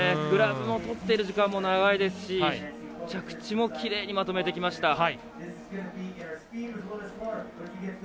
グラブをとっている時間も長いですし着地もきれいにまとめてきました。